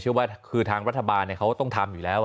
ว่าคือทางรัฐบาลเขาต้องทำอยู่แล้ว